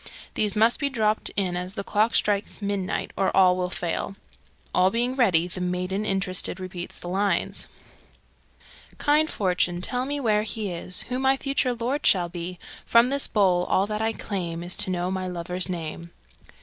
These must be dropped in as the clock strikes midnight, or all will fail. All being ready, the maiden interested repeats the lines: Kind fortune, tell me where is he Who my future lord shall be; From this bowl all that I claim Is to know my lover's name.